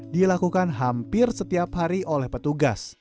dilakukan hampir setiap hari oleh petugas